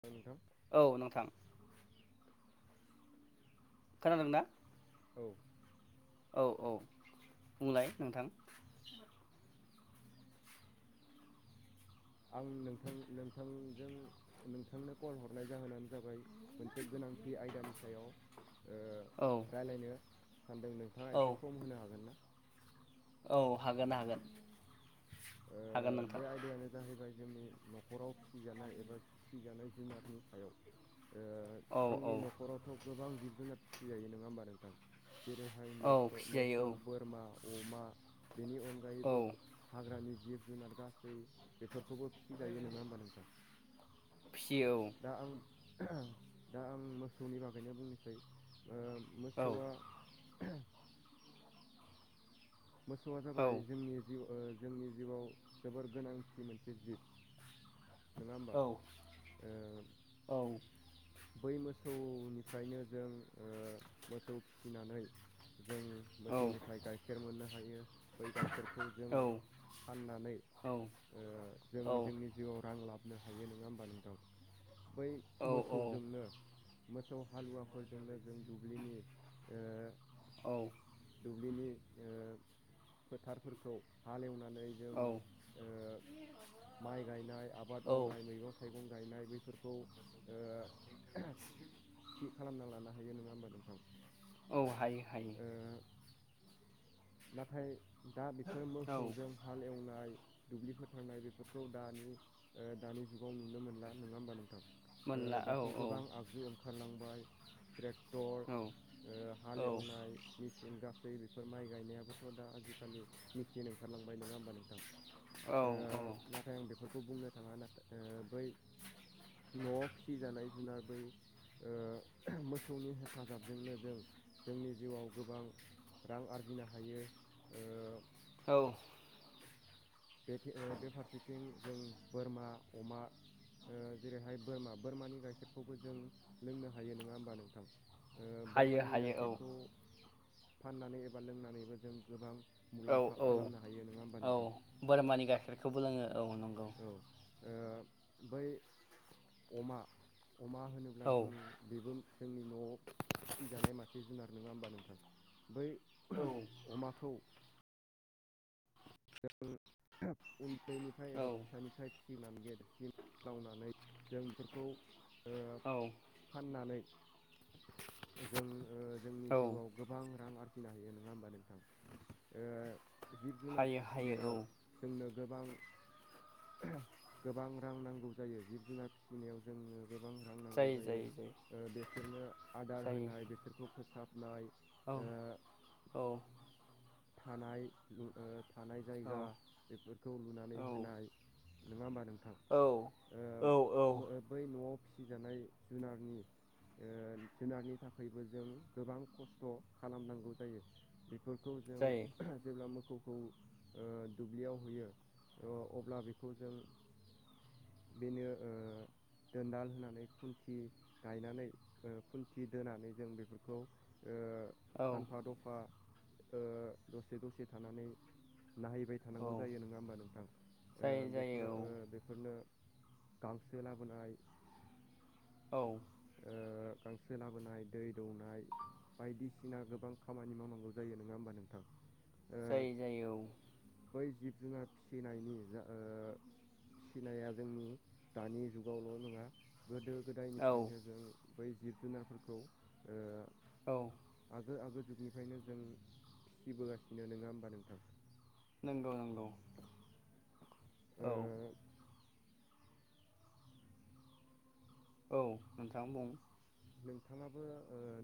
औ नोंथां। औ नोंथां खोनादोंना औ औ औ बुंलाय नोंथां आं नोंथां नोंथांजों नोंथांनो कल हरनाय जाहोनानो जाबाय मोनसे गोनांथि आयदानि सायाव ओ औ रायज्लायनो सानदों नोंथाङा औ एसे सम होनो हागोन ना औ हागोन हागोन ओ हागोन नोंथां बे आयदायानो जाहैबाय जोंनि न'खराव फिसिजानाय एबा फिसिजानाय जुनारनि सायाव औ जोंनि औ न'खरावथ गोबां जिब जुनार फिसिजायो नङा होमबा नोंथां जेरैहायो औ मोसौ फिसिजायो बोरमा अमा बेनि औ अनगायैबो औ हाग्रानि जिब जुनार गासै बेफोरखौबो फिसिजायो नङा होमबा नोंथां फिसियो औ दा आं दा आं मोसौनि बागैनो बुंनो ओ औ मोसौआ मोसौआ औ जाबाय जोंनि जिउ जोंनि जिउआव जोबोर गोनांथि मोनसे जिब नङा होमबा औ औ बै मोसौनिफ्रायनो जों मोसौ फिसिनानै जों औ मोसौनिफ्राय गाइखेर मोननो हायो। बै गाइखेरखौ जों औ फाननानै औ जों औ जोंनि जिउआव रां लाबो फनो हायो नङा होमबा नोंथां बै मोसौजोंनो मोसौ हालुवाफोरजोंनो जों दुब्लिनि ओ औ दुब्लिनि फोथारफोरखौ हालेवनानै जों औ ओ माइ गायनाय आबाद मावनाय मैगं थाइगं गायनाय बैफोरखौ ओ थि खालामना लानो हायो नङा होमबा नोंथां औ हायो हायो। ओ नाथाय दा बेफोर औ मोसौजों हाल एवनाय दुब्लि फोथारनाय बेफोरखौ दानि दानि जुगाव नुनो मोनला नङा होमबा नोंथां मोनला औ दाथ' गोबां आगजु बखारलांबाय ट्रेक्टर औ ओ हाल औ एवनाय मसिन गासै बेफोर माइ गायनायाबोथ' दा आजिखालि मिसियन ओंखारलांबाय नङा होमबा नोंथां औ ओ नाथाय आं बेफोरखौ बुंनो थाङो ओ नाथाय बै न'आव फिसिजानाय जुनार बै ओ मोसौनि हेफाजाबजोंनो जों जोंनि जिउआव गोबां रां आरजिनो हायो ओ औ बे ओ बे फारसेथिं जों बोरमा अमा जेरैहाय बोरमा बोरमानि गाइखेरखौबो जों लोंनो हायो नङा होमबा नोंथां हायो बोरमानि हायो औ गाइखेरखौ फाननानै एबा लोंनानैबो जों गोबां औ मुलाम्फा औ खालामनो हायो नङा होमबा औ नोंथां? बोरमानि गाइखेरखौबो लोङो औ नंगौ औ ओ बै अमा अमा होनोब्ला औ जों बेबो जोंनि न'आव फिजानाय मासे जुनार नङा होमबा नोंथां बै औ अमाखौ जों उन्दैनिफ्राय एबा औ फिसानिफ्राय सिनानै [unintelligible] गेदेरसिम मावनानै जों बेफोरखौ ओ औ फाननानै जों ओ जोंनि औ जिउआव गोबां रां आरजिनो हायो नङा होमबा नोंथां ओ जिब जु हायो हायो फिसिनायाव औ जोंनो गोबां गोबां रां नांगौ जायो जिब जुनार फिसिनायाव जोंनो गोबां रां नांगौ जायो बेसोरनो आदार जायो होनाय बिसोरखौ फोसाबनाय औ औ थानाय थानाय औ जायगा बेफोरखौ लुनानै औ होनाय नङा होमबा औ औ नोंथां औ बै न'आव फिसिजानाय जुनारनि जुनारनि थाखायबो जों गोबां खस्थ' खालामनांगौ जायो बेफोर बेखौ जों जायो जेब्ला मोखौ खौ दुब्लियाव होयो अब्ला बेखौ जों बेनो दोनदाल होनानै खुनथि गायनानै खुनथि दोनानै जों बेफोरखौ ओ सानफा दफा ओ दसे दसे थानानै नायहैबाय औ जानांगौ जायो नङा होनबा बा जायो जायो नोंथां बेफोरनो गांसो लाबोनाय औ ओ गांसो लाबोनाय दै दौनाय बायदिसिना गोबां खामानि मावनांगौ जायो नङा होमबा नोंथां जायो जायो बै जिब जुनार फिसिनायनि जा ओ फिसिनाया जोंनि दानि जुगावल' नङा गोदो गोदाय औ गोदोनिफ्रायनो नो जों बै जिब जुनारफोरखौ औ आगो आगो जुगनिफ्रायनो जों फिसिबोगासिनो नङा होमबा नोंथां नंगौ नंगौ ओ औ औ नोंथां बुं नोंथाङाबो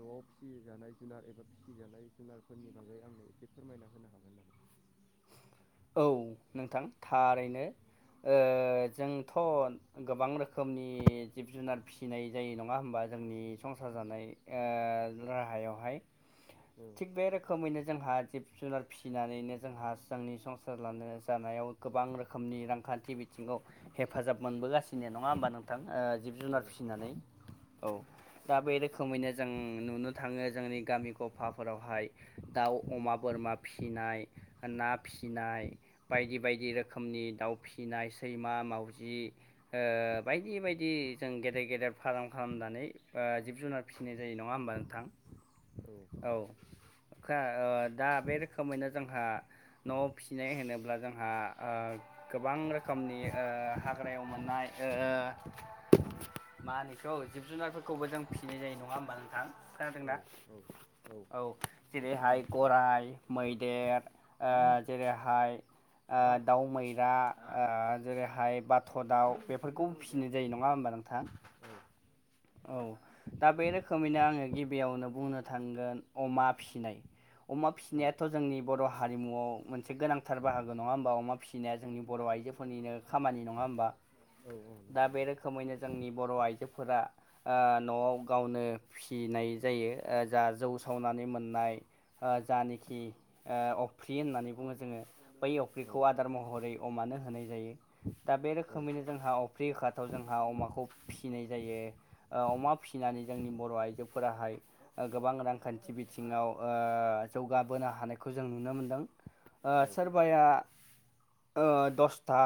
न'आव फिसिजानाय जुनार एबा फिसिजानाय जुनारफोरनि बागै आंनो एसे फोरमायना होनो हागोन नामा? औ नोंथां थारैनो जोंथ' गोबां रोखोमनि जिब जुनार फिसिनाय जायो नङा होमबा जोंनि संसार जानाय ओ राहायावहाय औ थिग बे रोखोमैनो जोंहा जिब जुनार फिसिनानैनो जोंहा जोंनि संसार संसार लानायाव [unintelligible] जानायाव गोबां रोखोमनि रांखान्थि बिथिङाव हेफाजाब मोनबोगासिनो नङा होमबा नोंथां ओ जिब औ जुनार फिसिनानै औ दा बे रोखोमैनो जों नुनो थाङो जोंनि गामि गफाफोरावहाय दाउ अमा बोरमा फिसिनाय ना फिसिनाय फिसिनाय बायदि बायदि रोखोमनि दाउ फिसिनाय सैमा मावजि ओ बायदि बायदि जों गेदेर गेदेर फाराम खालामनानै जिब जुनार फिसिनाय जायो नङा होनबा नोंथां औ औ दा बे रोखोमैनो जोंहा न'आव फिसिनाय होनोब्ला जोंहा आ गोबां रोखोमनि ओ हाग्रायाव मोननाय ओ मा होनो बिखौ जिब जुनारफोरखौबो जों फिसिनाय जायो नङा होमबा नोंथां औ खोनादोंना औ औ औ जेरैहाय गराइ मैदेर ओ जेरैहाय ओ दाउ मैना ओ जेरैहाय बाथ' दाउ बेफोरखौ फिसिनाय जायो नङा होमबा नोंथां औ औ दा बे रोखोमैनो आङो गिबियावनो बुंनो थांगोन अमा फिनाय अमा औ फिसिनायाथ' जोंनि बर' हारिमुयाव मोनसे गोनांथार बाहागो नङा होमबा अमा फिसिनाया जोंनि बर' आइजोफोरनिनो खामानि नङा होनोमबा औ औ नंगौ दा बे नोंथां रोखोमैनो जोंनि बर' आइजोफोरा ओ न'आव गावनो फिनाय जायो जा जौ सावनानै मोननाय जानाखि अफ्रि होननानै बुङो जोङो बै औ अफ्रिखौ आदार महरै अमानो होनाय जायो दा बे औ रोखोमैनो जोंहा अफ्रि होखाथाव जोंहा अमाखौ फिसिनाय जायो ओ अमा फिसिनानै जोंनि बर' आइजोफोराहाय ओ गोबां रांखानथि बिथिङाव जौगाबोनो हानायखौ जों नुनो मोनदों ओ औ सोरबाया ओ दसथा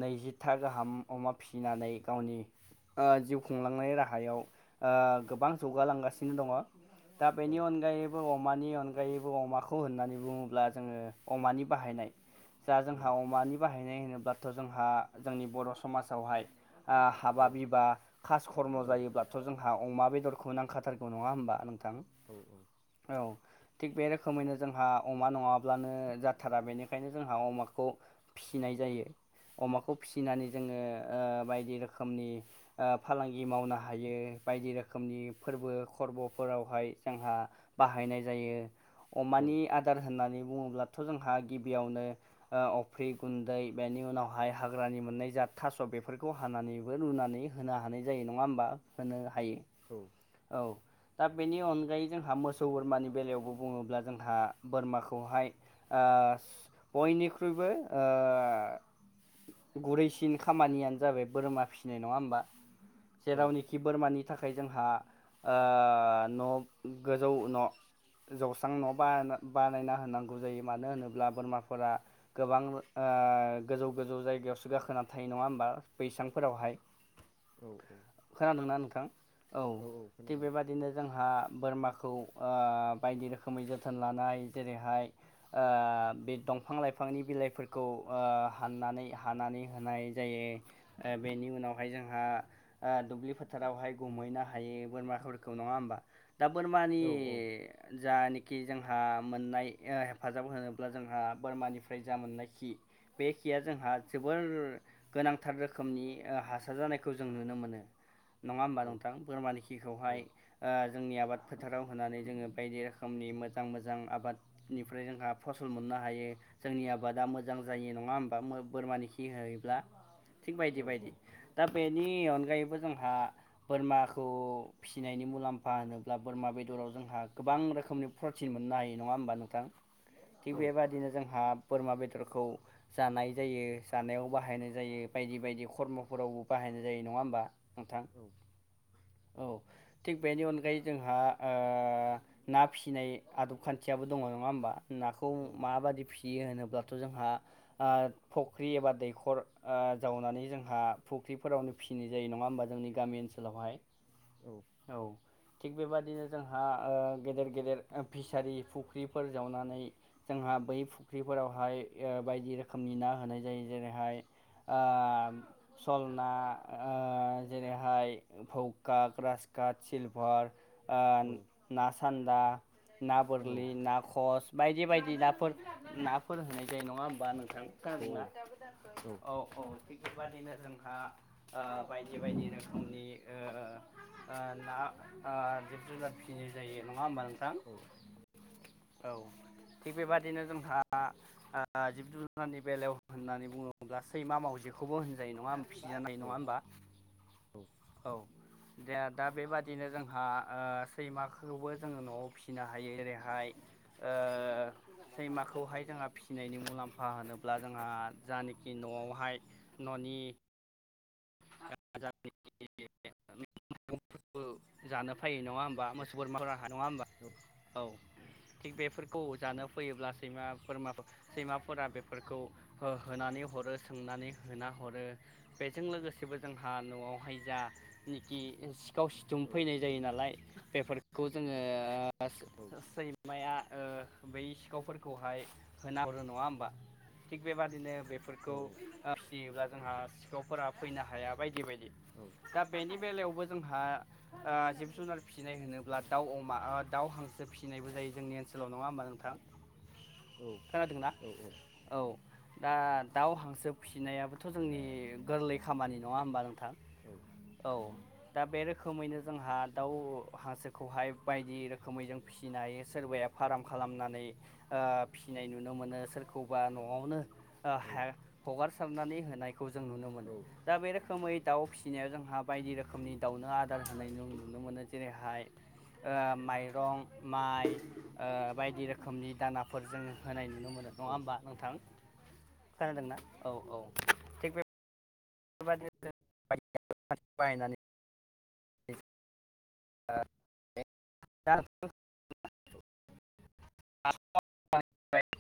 नैजिथा गाहाम अमा फिसिनानै गावनि ओ जिउ खुंलांनाय राहायाव ओ गोबां जौगालांगासिनो दङ दा औ बेनि अनगायैबो अमानि अनगायैबो अनगायैबो अमाखौ होननानै बुङोब्ला जोङो अमानि बाहायनाय जा औ जोंहा अमानि बाहायनाय होनोब्लाथ' जोंहा जोंनि बर' समाजावहाय औ हाबा बिबा खास कर्म' जायोब्लाथ' जोंहा अमा बेदरखौ नांखाथारगौ नङा होमबा नोंथां औ औ औ थिग बे रोखोमैनो जोंहा अमा नङाब्लानो जाथारा बेनिखायनो जोंहा अमाखौ फिसिनाय जायो अमाखौ फिसिनानै जोङो बायदि रोखोमनि फालांगि मावनो हायो बायदि रोखोमनि फोरबो खरबफोरावहाय जोंहा बाहायनाय जायो अमानि आदार होननानै बुङोब्लाथ' जोंहा गिबियावनो अफ्रि गुन्दै बेनि उनावहाय हाग्रानि मोननाय जा थास' बेफोरखौ हानानैबो रुनानै होनो हानाय जायो नङा होमबा होनो हायो औ औ दा बेनि अनगायै जोंहा मोसौ बोरमानि बेलायावबो बुङोब्ला जोंहा बोरमाखौहाय ओ बयनिख्रुइबो ओ गुरैसिन खामानियानो जाबाय बोरमा फिसिनाय नङा होमबा जेरावनिखि बोरमानि थाखाय ओ जोंहा न' गोजौ न' जौस्रां न' बा बानायना होनांगौ जायो मानो होनोब्ला बोरमाफोरा गोबां ओ गोजौ गोजौ जायगायावसो गाखोना थायो नङा होमबा बैसांफोरावहाय औ औ खोनादोंना नोंथां औ थिग बेबा दिनो जोंहा बोरमाखौ बायदि रोखोमै जोथोन लानाय जेरैहाय ओ बे दंफां लाइफांनि बिलाइफोरखौ ओ हाननानै हानानै होनाय जायो बेनि उनावहाय जों ओ ओ दुब्लि फोथारावहाय गुमहैनो हायो बोरमाफोरखौ नङा होमबा दा औ बोरमानि जानाखि जोंहा मोननाय हेफाजाब होनोब्ला जोंहा बोरमानिफ्राय जा मोननाय खि बे खिया जोंहा जोबोर गोनांथार रोखोमनि हासार जानाय खौ जों नुनो मोनो नङा होमबा औ नोंथां बोरमानि औ खिखौहाय ओ जोंनि आबाद फोथाराव होनानै जोङो बायदि रोखोमनि मोजां मोजां आबाद बेनिफ्राय जोंहा फसल मोननो हायो जोंनि आबादा मोजां जायो नङा होमबा बोरमानि खि होयोब्ला थिग औ बायदि बायदि दा बेनि अनगायैबो जोंहा बोरमाखौ फिसिनायनि मुलाम्फा होनोब्ला बोरमा बेदराव जोंहा गोबां रोखोमनि प्रटिन मोननो हायो नङा होमबा नोंथां थिग बेबादिनो जोंहा बोरमा बेदरखौ जानाय जायो जानायाव बाहायनाय जायो बायदि बायदि खरमफोरावबो बाहायनाय जायो नङा होमबा नोंथां औ औ थिग बेनि अनगायै जोंहा ओ ना फिसिनाय आदब खान्थियाबो दङ नङा होमबा नाखौ औ माबायदि फि सियो होनोब्लाथ' जोंहा फुख्रि एबा दैखर जावनानै जोंहा फुख्रिफोरावनो फिसिनाय जायो नङा होमबा जोंनि गामि ओनसोलावहाय औ औ थिग बेबादिनो जोंहा गेदेर गेदेर फिसारि फुख्रिफोर जावनानै जोंहा बै फुख्रिफोरावहाय बायदि रोखोमनि ना होनाय जायो जेरैहाय ओ सल ना ओ जेरैहाय भौका ग्रासकात सिलभार ओ ना सानदा ना बोरलि ना ख्रस बायदि बायदि नाफोर नाफोर होनाय जायो नङा होमबा नोंथां खोनादों ना औ औ थिग बेबादिनो जोंहा बायदि बायदि रोखोमनि ना जिब जुनार फिसिनाय जायो नङा होमबा नोंथां औ औ थिग बेबादिनो जोंहा जिब जुनादनि बेलायाव होननानै बुङोब्ला सैमा मावजिखौबो होन होनजायो नवाव फिसिजानाय नङा होमबा औ जोंहा दा बेबादिनो जोंहा सैमाखौबो जोङो नवाव फिसिनो हायो एरैहाय ओ सैमाखौहाय जोंहा फिसिनायनि मुलाम्फा होनोब्ला जोंहा जानोखि नवावहाय ननि [unintelligible] फोरबो जानो फैयो नङा होमबा मोसौ बोरमाफोरा नङा होमबा औ थिग बेफोर खौ जानो फैयोब्ला सैमा बोरमा सैमाफोरा बेफोरखौ होनानै हरो सोंनानै होना हरो जों लोगोसेबो जोंहा नवावहाय जा निखि सिखाव सिथुम फैनाय जायो नालाय बेफोरखौ जोङो सो सै माया बै सिखावफोरखौहाय होना हरो नङा होमबा थिग बेबादिनो बे फोरखौ फिसियोब्ला जोंहा सिखावफोरा फैनो हाया बायदि बायदि औ दा बेनि बेलायावबो जोंहा जिब जुनार फिसिनाय होनोब्ला दाउ अमा दाउ हांसो फिसिनायबो जायो जोंनि ओनसोलाव नङा होमा नों थां खोनादोंना औ दा दाउ हांसो फिसिनायाबो थ' जोंनि गोरलै खामानि नङा होमबा नोंथां औ दा बे रोखोमैनो जोंहा दाउ हांसोखौहाय बायदि रोखोमै जों फिसिनो हायो सोरबाया फार्म खालामनानै फिसिनाय नुनो मोनो सोरखौबा न'वावनो हगारसारनानै होनायखौ जों नुनो मोनो औ दा बे रोखोमै दाउ फिसिनायाव जोंहा बायदि रोखोमनि दाउनो आदार होनाय जों नुनो मोनो जेरैहाय माइरं माइ बायदि रोखोमनि दानाफोर जों होनाय नुनो मोनो नङा औ होमबा नोंथां? खोनादोंना औ औ। बेफोर बादिनो जों बायदि बाहायनानै। [unintelligible] [unintelligible] औ [unintelligible]